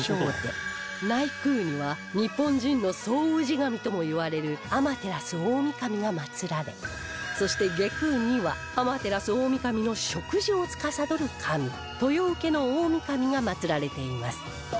内宮には日本人の総氏神ともいわれる天照大御神が祀られそして外宮には天照大御神の食事をつかさどる神豊受大御神が祀られています